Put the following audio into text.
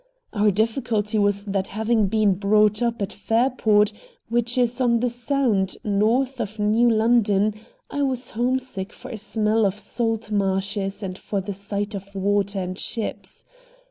Our difficulty was that having been brought up at Fairport, which is on the Sound, north of New London, I was homesick for a smell of salt marshes and for the sight of water and ships.